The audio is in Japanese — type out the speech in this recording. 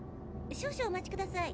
少々お待ちください。